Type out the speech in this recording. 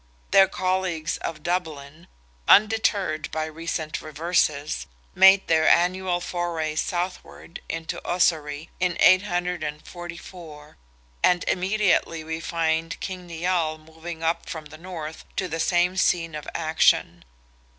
Their colleagues of Dublin, undeterred by recent reverses, made their annual foray southward into Ossory, in 844, and immediately we find King Nial moving up from the north to the same scene of action.